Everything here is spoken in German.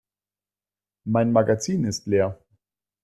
Mein Magazin ist leer.